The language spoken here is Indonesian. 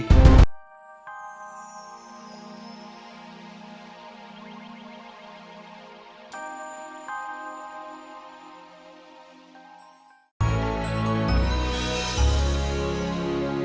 sampai ketemu lagi